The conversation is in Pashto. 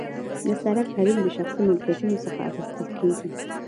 د سرک حریم د شخصي ملکیتونو څخه اخیستل کیږي